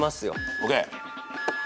ＯＫ！